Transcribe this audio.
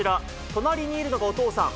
隣にいるのがお父さん。